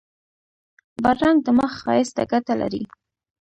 بادرنګ د مخ ښایست ته ګټه لري.